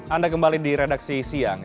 anda kembali di redaksi siang